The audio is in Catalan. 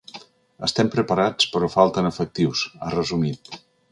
“Estem preparats però falten efectius”, ha resumit.